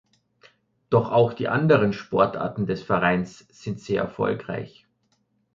Doch auch die anderen Sportarten des Vereins sind sehr erfolgreich.